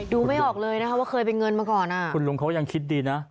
ไม่ออกเลยนะคะว่าเคยเป็นเงินมาก่อนอ่ะคุณลุงเขายังคิดดีนะ